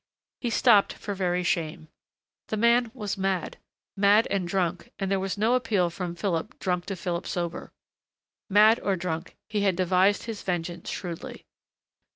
He stopped for very shame. The man was mad. Mad and drunk and there was no appeal from Philip drunk to Philip sober.... Mad or drunk, he had devised his vengeance shrewdly.